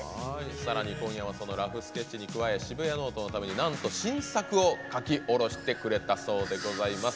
さらに今夜はそのラフスケッチに加え「シブヤノオト」のためになんと新作を描き下ろしてくれたそうでございます。